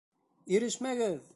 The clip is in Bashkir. Ирешмәгеҙ!